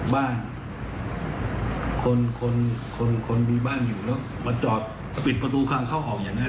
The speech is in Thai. บ้านคนคนมีบ้านอยู่แล้วมาจอดปิดประตูทางเข้าออกอย่างนั้น